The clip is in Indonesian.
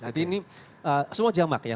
jadi ini semua jamak ya